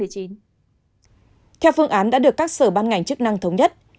theo phương án đã được các sở ban ngành chức năng thống nhất